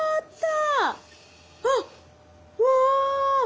あっうわ！